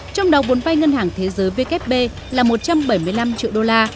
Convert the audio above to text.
trong đầu vốn bay ngân hàng thế giới vkp là một trăm bảy mươi năm triệu đô la